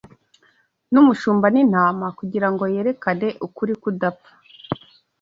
n’umushumba n’intama kugira ngo yerekane ukuri kudapfa